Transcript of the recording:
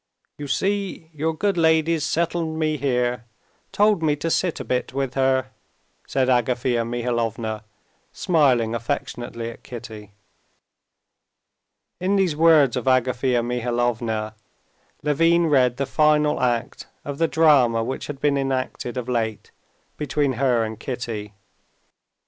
"You see, your good lady's settled me here, told me to sit a bit with her," said Agafea Mihalovna, smiling affectionately at Kitty. In these words of Agafea Mihalovna, Levin read the final act of the drama which had been enacted of late between her and Kitty.